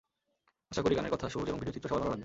আশা করি গানের কথা, সুর এবং ভিডিও চিত্র সবার ভালো লাগবে।